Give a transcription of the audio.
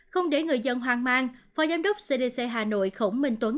không để người dân hoang mang phó giám đốc cdc hà nội khổng minh tuấn